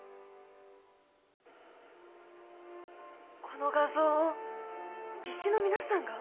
この画像を技師の皆さんが？